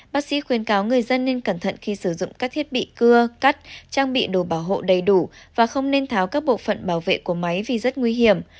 bác sĩ khuyên cáo người dân nên cẩn thận khi sử dụng các thiết bị cưa cắt trang bị đồ bảo hộ đầy đủ và không nên tháo các bộ phận bảo vệ của máy vì rất nguy hiểm